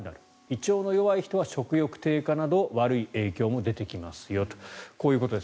胃腸の弱い人は食欲低下など悪い影響も出てきますよと。